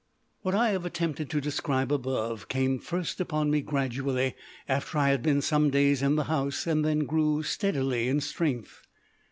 What I have attempted to describe above came first upon me gradually after I had been some days in the house, and then grew steadily in strength.